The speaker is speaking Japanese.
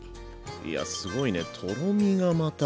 いやすごいねとろみがまた。